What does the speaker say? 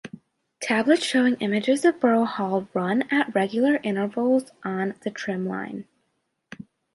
Tablets showing images of Borough Hall run at regular intervals on the trim line.